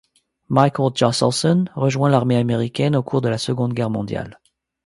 Michael Josselson rejoint l'armée américaine au cours de la Seconde Guerre mondiale.